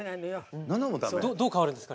どう変わるんですか？